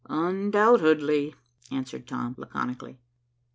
"Undoubtedly," answered Tom laconically.